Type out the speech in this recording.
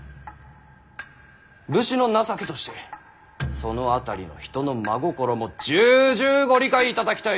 武士の情けとしてその辺りの人の真心も重々ご理解いただきたい。